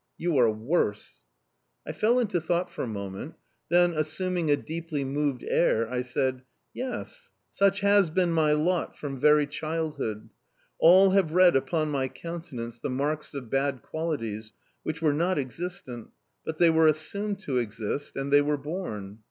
"You are worse"... I fell into thought for a moment; then, assuming a deeply moved air, I said: "Yes, such has been my lot from very childhood! All have read upon my countenance the marks of bad qualities, which were not existent; but they were assumed to exist and they were born.